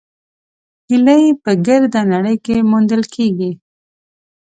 هیلۍ په ګرده نړۍ کې موندل کېږي